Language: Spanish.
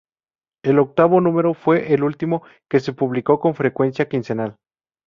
El octavo número fue el último que se publicó con frecuencia quincenal.